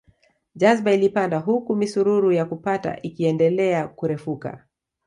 Jazba ilipanda huku misururu ya kupata ikiendelea kurefuka